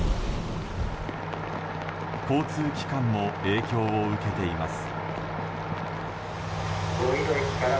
交通機関も影響を受けています。